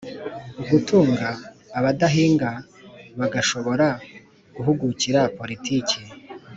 ugutunga abadahinga...bagashobora guhugukira politiki,